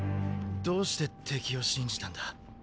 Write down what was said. どうして敵を信じたんだ？